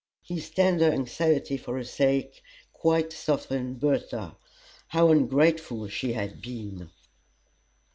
His tender anxiety for her sake quite softened Bertha. How ungrateful she had been!